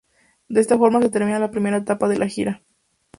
De esta forma se termina la primera etapa de la gira.